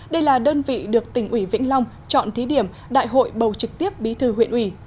đây là đơn vị được tỉnh ủy vĩnh long chọn thí điểm đại hội bầu trực tiếp bí thư huyện ủy